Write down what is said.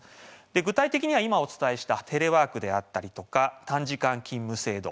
具体的には今お伝えしたテレワーク短時間勤務制度